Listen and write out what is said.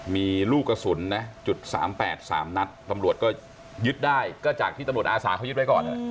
มีลูกกระสุนนะจุด๓๘๓นัดตำรวจก็ยึดได้ก็จากที่ตำรวจอาสาเขายึดไว้ก่อน